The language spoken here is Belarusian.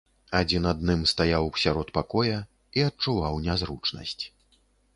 Адзін адным стаяў сярод пакоя і адчуваў нязручнасць.